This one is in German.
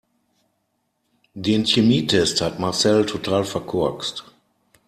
Den Chemietest hat Marcel total verkorkst.